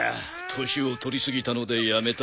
年を取り過ぎたので辞めた。